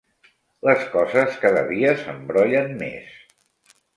Les coses cada dia s'embrollen més.